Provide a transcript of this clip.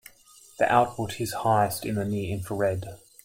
The output is highest in the near infrared.